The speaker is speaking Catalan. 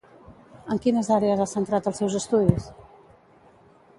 En quines àrees ha centrat els seus estudis?